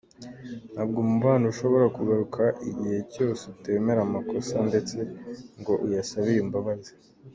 Ntabwo umubano ushobora kugaruka igihe cyose utemera amakosa ndetse ngo uyasabire imbabazi.